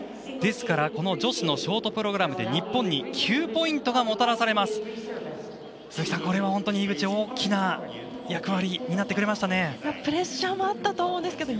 ですから女子のショートプログラムで日本に９ポイントがもたらされます。